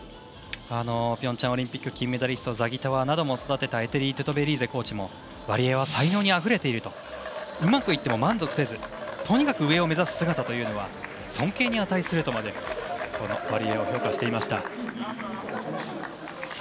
ピョンチャンオリンピック金メダリストザギトワなども育てたエテリ・トゥトベリーゼコーチもワリエワは才能にあふれているとうまくいっても満足せずとにかく上を目指す姿というのは尊敬に値するとまでワリエワを評価していました。